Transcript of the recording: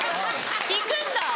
効くんだ。